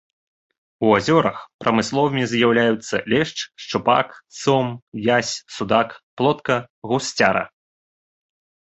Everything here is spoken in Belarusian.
У азёрах прамысловымі з'яўляюцца лешч, шчупак, сом, язь, судак, плотка, гусцяра.